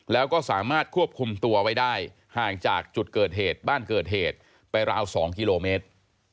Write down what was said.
แล้วก็สามารถควบคุมตัวไว้ได้ห่างจากจุดเกิดเหตุบ้านเกิดเหตุไปราว๒กิโลเมตร